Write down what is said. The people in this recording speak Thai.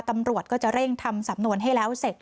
ตำรวจก็จะเร่งทำสำนวนให้แล้วเสร็จ